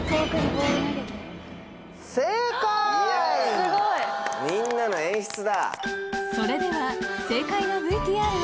すごい！みんなの演出だ。